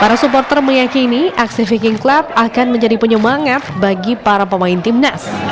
para supporter meyakini aksi viking club akan menjadi penyemangat bagi para pemain timnas